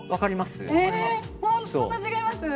そんな違います？